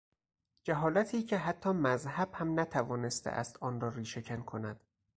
جهالتی که حتی مذهب هم نتوانسته است آن را ریشه کن کند